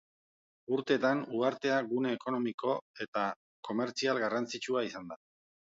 Urtetan, uhartea gune ekonomiko eta komertzial garrantzitsua izan da.